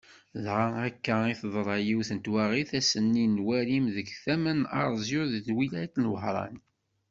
Dɣa akka i teḍra yiwet n twaɣit ass-nni n warim deg tama n Arezyu deg twilayt n Wehran.